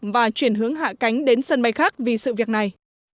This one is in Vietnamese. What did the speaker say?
và chuyển hướng hạ cánh đến sân bay khác vì sự việc này